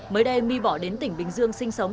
mới đây my bỏ đến tỉnh bình dương sinh sống